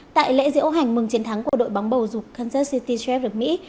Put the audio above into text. tại lễ diễu hành mừng chiến thắng của đội bóng bầu dục kansas city sheff được mỹ